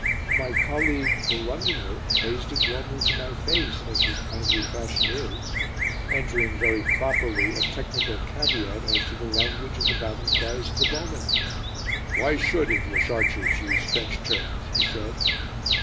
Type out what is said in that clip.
My colleague "The Londoner" praised it warmly to my face, as his kindly fashion is; entering, very properly, a technical caveat as to the language of the battle cries of the bowmen. "Why should English archers use French terms?" he said.